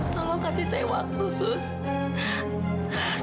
tolong kasih saya waktu sus